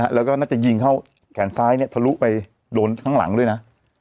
แล้วก็น่าจะยิงเข้าแขนซ้ายเนี่ยทะลุไปโดนข้างหลังด้วยนะ